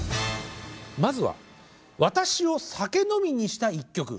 まずは私を酒飲みにした１曲。